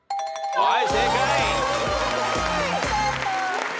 はい。